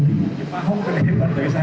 pak ahok menyebutkan